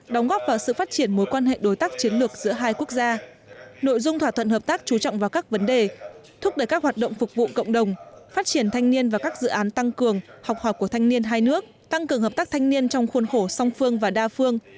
đóng góp vào sự phát triển mối quan hệ đối tác chiến lược giữa hai quốc gia nội dung thỏa thuận hợp tác chú trọng vào các vấn đề thúc đẩy các hoạt động phục vụ cộng đồng phát triển thanh niên và các dự án tăng cường học hỏi của thanh niên hai nước tăng cường hợp tác thanh niên trong khuôn khổ song phương và đa phương